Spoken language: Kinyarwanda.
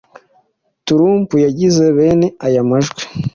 Turump yagize bene aya majwi